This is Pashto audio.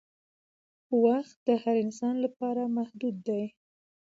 وخت د هر انسان لپاره محدود دی